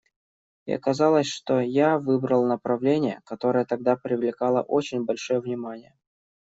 И оказалось, что я выбрал направление, которое тогда привлекало очень большое внимание.